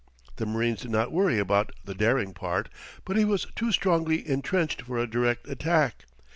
The marines did not worry about the daring part; but he was too strongly intrenched for a direct attack.